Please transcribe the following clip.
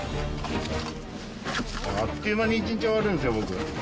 あっという間に１日終わるんですよ、僕。